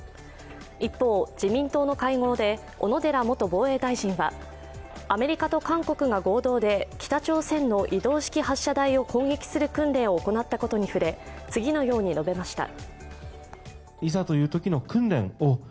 一方、自民党の会合で小野寺元防衛大臣はアメリカと韓国が合同で北朝鮮の移動式発射台を攻撃する訓練を行ったことに触れ次のように述べました。